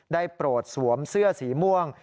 โปรดสวมเสื้อสีม่วง